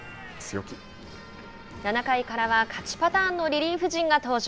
７回からは勝ちパターンのリリーフ陣が登場。